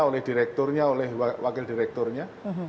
oleh direkturnya oleh wakil direkturnya